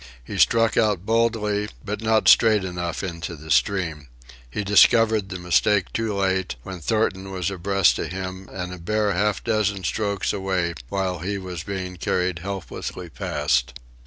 He struck out boldly, but not straight enough into the stream. He discovered the mistake too late, when Thornton was abreast of him and a bare half dozen strokes away while he was being carried helplessly past.